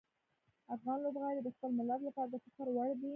افغان لوبغاړي د خپل ملت لپاره د فخر وړ دي.